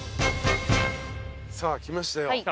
さあ来ましたよ。